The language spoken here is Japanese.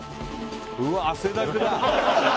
うわっ汗だくだ！